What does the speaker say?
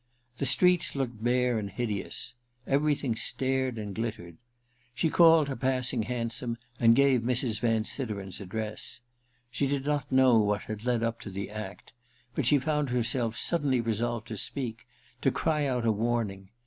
The streets looked bare and hideous ; everything stared and glittered. She called a passing hansom, and gave Mrs. Van Sideren's address. She did not know what had led up to the act ; but she found herself suddenly resolved to speak, to cry out a warning.